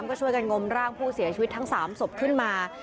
ก็ช่วยกันงมร่างผู้เสียชีวิตทั้ง๓ศพขึ้นมา